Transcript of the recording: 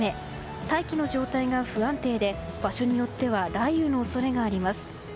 大気の状態が不安定で場所によっては雷雨の恐れがあります。